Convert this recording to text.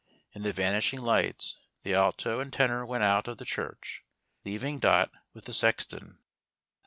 In the vanishing lights the Alto and Tenor went out of the church, leaving Dot with the sexton.